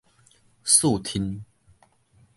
四媵